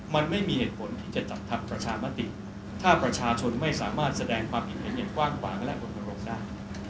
มันไม่มีเหตุผลที่จะจัดทำประชามติถ้าประชาชนไม่สามารถแสดงความคิดเห็นอย่างกว้างขวางและรณรงค์ได้